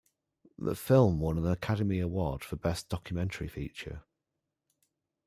The film won an Academy Award for Best Documentary Feature.